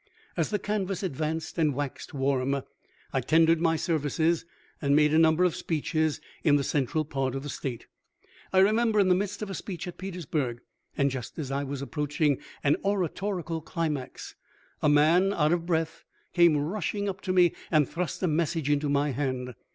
As the canvass advanced and waxed warm I ten dered my services and made a number of speeches in the central part of the State. I remember, in the midst of a speech at Petersburg, and just as I was approaching an oratorical climax, a man out of breath came rushing up to me and thrust a message into my hand.